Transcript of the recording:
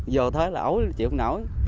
vô thế là ổn chịu không nổi